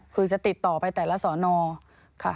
คือจะติดต่อไปแต่ละสอนอค่ะ